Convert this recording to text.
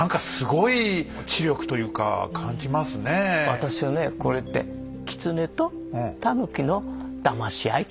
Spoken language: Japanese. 私はねこれってキツネとタヌキのだまし合いと。